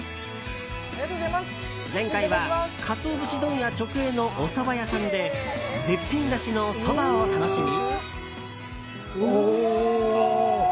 前回は、カツオ節問屋直営のおそば屋さんで絶品だしのそばを楽しみ。